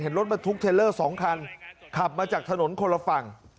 รถบรรทุกเทลเลอร์๒คันขับมาจากถนนคนละฝั่ง